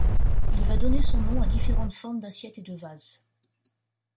Il va donner son nom à différentes formes d'assiettes et de vases.